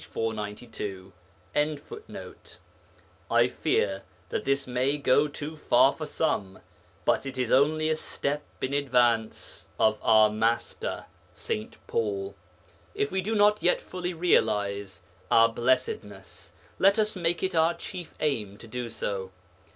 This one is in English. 492.] I fear that this may go too far for some, but it is only a step in advance of our Master, St. Paul. If we do not yet fully realize our blessedness, let us make it our chief aim to do so.